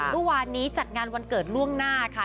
เมื่อวานนี้จัดงานวันเกิดล่วงหน้าค่ะ